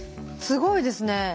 すごいですね。